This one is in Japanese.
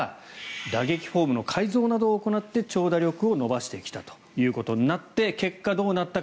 打撃フォームの改造などを行って長打力を伸ばしてきたということになって結果、どうなったか。